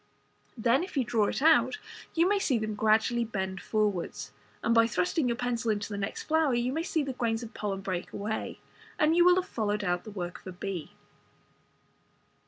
Then if you draw it out you may see them gradually bend forwards, and by thrusting your pencil into the next flower you may see the grains of pollen bread away, and you will have followed out the work of a bee.